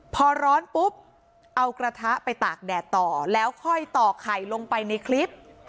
พอร้อนปุ๊บเอากระทะไปตากแดดต่อแล้วค่อยต่อไข่ลงไปในคลิป